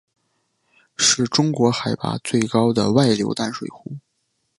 是中国海拔最高的外流淡水湖。